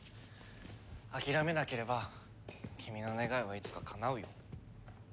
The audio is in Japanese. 諦めなければ君の願いはいつかかなうよ。